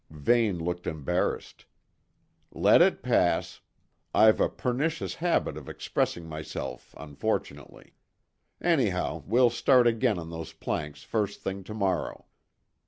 Vane looked embarrassed. "Let it pass; I've a pernicious habit of expressing myself unfortunately. Anyhow, we'll start again on those planks first thing to morrow."